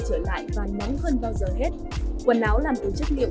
trở lại và nóng hơn bao giờ hết quần áo làm từ chất liệu